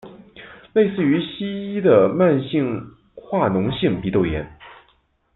类似于西医的慢性化脓性鼻窦炎。